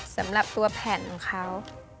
สำหรับตัวแผ่นของเขา